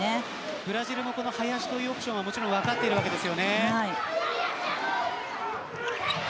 ブラジルも林というオプションはもちろん分かっているわけです。